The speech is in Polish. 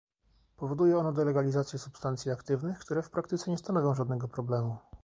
Powoduje ono delegalizację substancji aktywnych, które w praktyce nie stanowią żadnego problemu